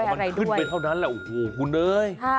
พอมันขึ้นไปเท่านั้นแหละโอ้โหคุณเอ้ย